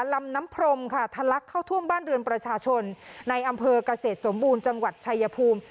ลำน้ำพรมค่ะทะลักเข้าท่วมบ้านเรือนประชาชนในอำเภอกเกษตรสมบูรณ์จังหวัดชายภูมิ